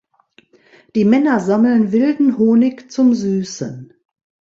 Die Männer sammeln wilden Honig zum Süßen.